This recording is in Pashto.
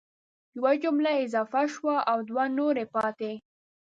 یوه جمله اضافه شوه او دوه نورې پاتي